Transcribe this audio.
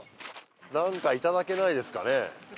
なんかいただけないですかね。